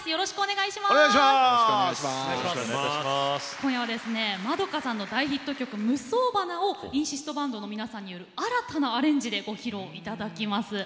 今夜は円さんの大ヒット曲「夢想花」を韻シストＢＡＮＤの皆さんによる新たなアレンジでご披露いただきます。